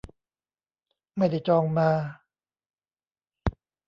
ไม่ได้จองมา